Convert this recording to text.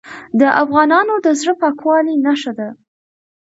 د افغانانو د زړه پاکوالي نښه ده.